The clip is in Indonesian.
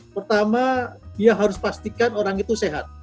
pertama dia harus pastikan orang itu sehat